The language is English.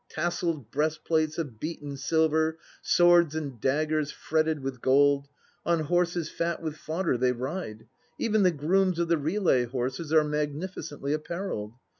Tasselled breastplates of beaten silver; swords and daggers fretted with gold. On horses fat with fodder they ride; even the grooms of the relay horses are magnificently apparelled.